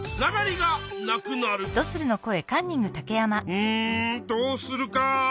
うんどうするか。